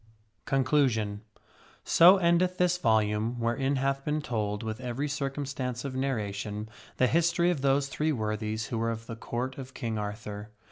x 4 CONCLUSION So endeth this volume wherein hath been told, with every circumstance of narration, the history of those Three Worthies who were of the Court of King Arthur.